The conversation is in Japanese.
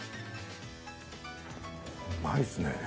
うまいっすね。